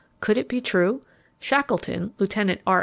Could it be true? Shackleton, Lieutenant R.